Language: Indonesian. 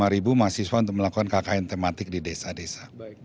lima ribu mahasiswa untuk melakukan kkn tematik di desa desa